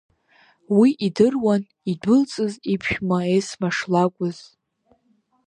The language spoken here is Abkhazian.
Уи идыруан идәылҵыз иԥшәма Есма шлакәыз.